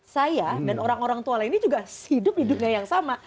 saya dan orang orang tua lainnya juga hidup hidupnya yang sama